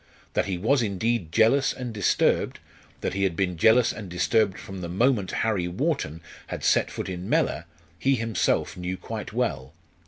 That he was indeed jealous and disturbed, that he had been jealous and disturbed from the moment Harry Wharton had set foot in Mellor, he himself knew quite well.